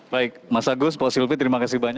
baik mas agus pak silvi terima kasih banyak